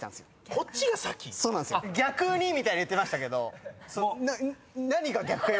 こっちが先⁉「逆に」みたいに言ってましたけど。